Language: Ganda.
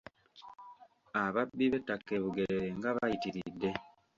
Ababbi b'ettaka e Bugerere nga bayitiridde.